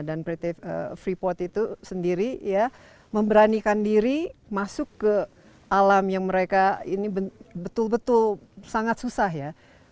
freeport itu sendiri ya memberanikan diri masuk ke alam yang mereka ini betul betul sangat susah ya